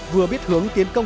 vừa biết hướng tiến công